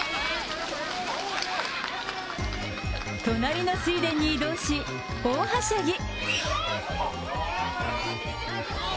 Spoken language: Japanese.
隣の水田に移動し、大はしゃぎ。